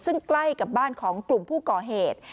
ซึ่งใกล้กับบ้านของกลุ่มผู้ก่อเหตุ